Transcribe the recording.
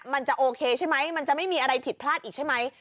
มันจะโอเคใช่ไหมมันจะไม่มีอะไรผิดพลาดอีกใช่ไหม